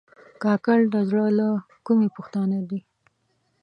کاکړ د زړه له کومي پښتانه دي.